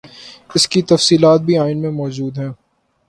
اس کی تفصیلات بھی آئین میں موجود ہیں۔